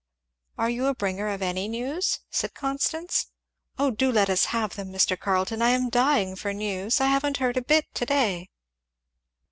"Are you a bringer of any news?" said Constance, "O do let us have them, Mr. Carleton! I am dying for news I haven't heard a bit to day."